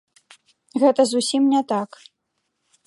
Гэта зусім не так.